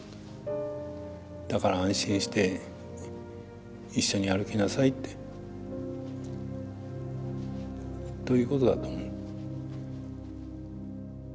だから安心して一緒に歩きなさいってということだと思う。